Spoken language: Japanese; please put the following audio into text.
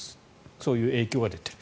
そういう影響が出てる。